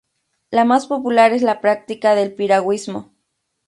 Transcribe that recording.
La más popular es la práctica del piragüismo.